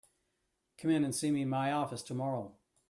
Come in and see me in my office tomorrow.